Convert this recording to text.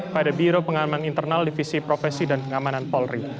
pada biro pengaman internal divisi profesi dan pengamanan polri